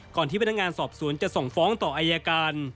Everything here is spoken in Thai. ที่พนักงานสอบสวนจะส่งฟ้องต่ออายการ